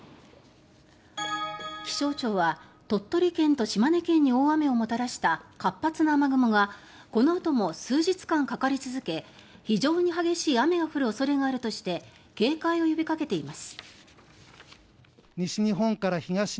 気象庁は鳥取県と島根県に大雨をもたらした活発な雨雲がこのあとも数日間かかり続け非常に激しい雨が降る恐れがあるとして警戒を呼びかけています。